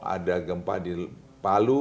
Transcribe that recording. ada gempa di palu